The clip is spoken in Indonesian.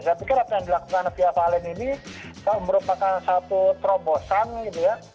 saya pikir apa yang dilakukan via valen ini merupakan satu terobosan gitu ya